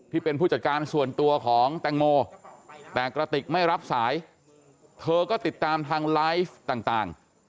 ที่เป็นผู้จัดการส่วนตัวของแตงโมแต่กระติกไม่รับสายเธอก็ติดตามทางไลฟ์ต่าง